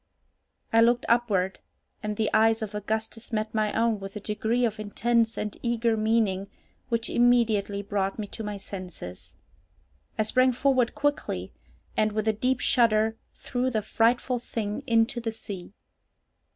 I looked upward, and the eyes of Augustus met my own with a degree of intense and eager meaning which immediately brought me to my senses. I sprang forward quickly, and, with a deep shudder, threw the frightful thing into the sea.